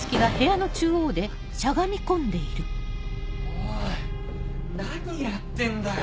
おい何やってんだよ？